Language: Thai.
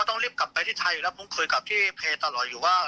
ต้องรีบกลับไปที่ไทยอยู่แล้วผมคุยกับพี่เพย์ตลอดอยู่ว่า